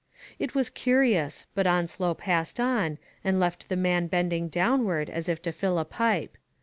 It was curious, but Onslow passed on, and left the man bending downward, as if to fill a pipe.